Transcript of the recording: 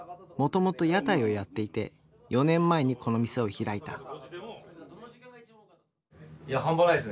もともと屋台をやっていて４年前にこの店を開いた。